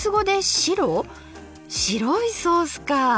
白いソースか。